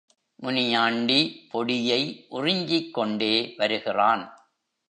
முனியாண்டி பொடியை உறிஞ்சிக்கொண்டே வருகிறான்.